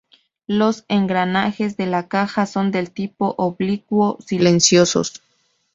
Los engranajes de la caja son del tipo oblicuo silenciosos.